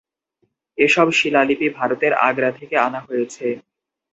এসব শিলালিপি ভারতের আগ্রা থেকে আনা হয়েছে।